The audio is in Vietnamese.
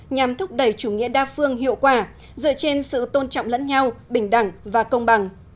nhằm thúc đẩy chủ nghĩa đa phương hiệu quả dựa trên sự tôn trọng lẫn nhau bình đẳng và công bằng